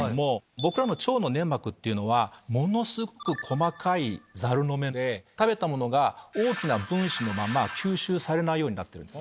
僕らの腸の粘膜はものすごく細かいザルの目で食べたものが大きな分子のまま吸収されないようになってる。